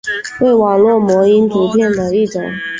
为网络模因图片的一种。